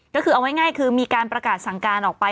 ก็คือเอาง่ายคือมีการประกาศสั่งการออกไป